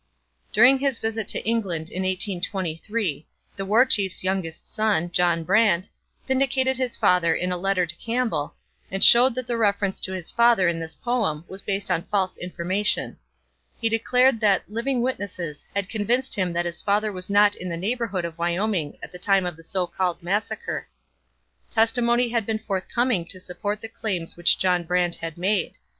During his visit to England in 1823, the War Chief's youngest son, John Brant, vindicated his father in a letter to Campbell, and showed that the reference to his father in this poem was based on false information. He declared that 'living witnesses' had convinced him that his father was not in the neighbourhood of Wyoming at the time of the so called massacre; testimony has been forthcoming to support the claims which John Brant then made.